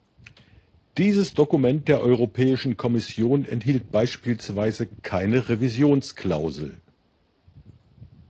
Dieses Dokument der Europäischen Komission enthielt beispielsweise keine Revisionsklausel.